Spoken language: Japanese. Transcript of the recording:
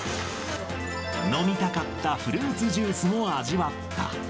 飲みたかったフルーツジュースも味わった。